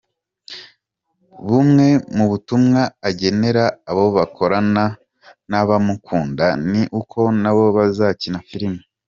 Bumwe mu butumwa agenera abo bakorana n’abamukunda ni uko nabo bazakina filime.